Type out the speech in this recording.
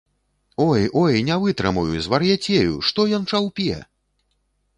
Ой, ой, не вытрымаю, звар'яцею, што ён чаўпе?!.